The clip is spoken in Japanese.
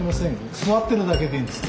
座ってるだけでいいんです。